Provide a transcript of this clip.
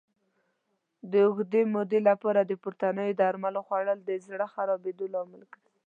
د اوږدې مودې لپاره د پورتنیو درملو خوړل د زړه خرابېدو لامل ګرځي.